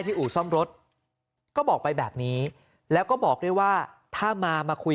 อู่ซ่อมรถก็บอกไปแบบนี้แล้วก็บอกด้วยว่าถ้ามามาคุย